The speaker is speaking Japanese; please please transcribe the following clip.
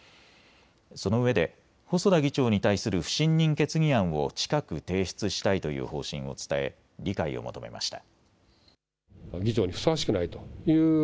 そのうえで細田議長に対する不信任決議案を近く提出したいという方針を伝え理解を求めました。